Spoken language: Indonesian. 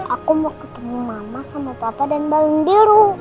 aku mau ketemu mama sama papa dan balu indiru